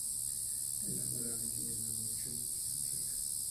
El lago Beverly y el lago Schultz están cerca.